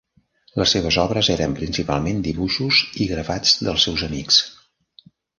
Les seves obres eren principalment dibuixos i gravats dels seus amics.